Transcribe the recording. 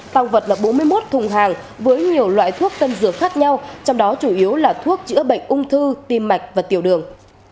tăng vật là bốn mươi một thùng hàng với nhiều loại thuốc tân dược khác nhau trong đó chủ yếu là thuốc chữa bệnh ung thư tim mạch và tiểu đường